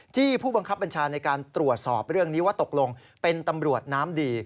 ผู้บังคับบัญชาในการตรวจสอบเรื่องนี้ว่าตกลงเป็นตำรวจน้ำดี